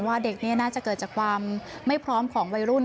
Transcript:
เด็กน่าจะเกิดจากความไม่พร้อมของวัยรุ่น